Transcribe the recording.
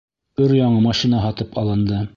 Өр-яңы машина һатып алынды.